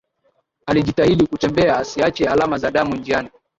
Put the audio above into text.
Alijitahidi kutembea asiache alama za damu njiani